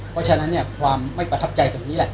เพราะฉะนั้นเนี่ยความไม่ประทับใจตรงนี้แหละ